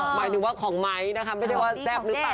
หมายถึงว่าของไม้นะคะไม่ใช่ว่าแซ่บหรือเปล่า